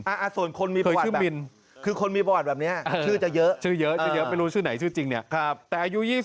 เอะส่วนคนที่มีประวัติแบบ